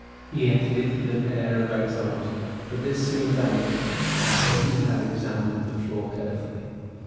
He entered it with an air of anxiety. But this soon vanished after he had examined the floor carefully.